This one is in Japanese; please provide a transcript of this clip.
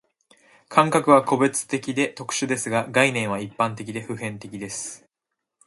感覚は個別的で特殊ですが、概念は一般的で普遍的です。